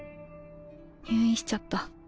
入院しちゃった。